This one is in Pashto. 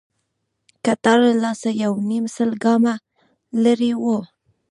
کتار لا سل يونيم سل ګامه لرې و.